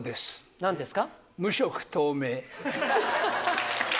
何ですか？